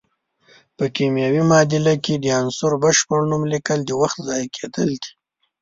په کیمیاوي معادله کې د عنصر بشپړ نوم لیکل د وخت ضایع کیدل دي.